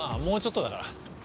もうちょっとだから。